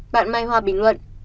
bạn mai hoa bình luận